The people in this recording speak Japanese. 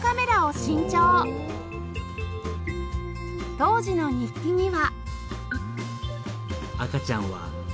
当時の日記には